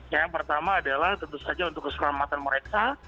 yang pertama adalah tentu saja untuk keselamatan mereka